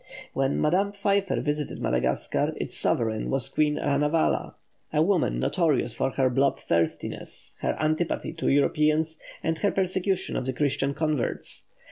When Madame Pfeiffer visited Madagascar, its sovereign was Queen Ranavala, a woman notorious for her blood thirstiness, her antipathy to Europeans, and her persecution of the Christian converts.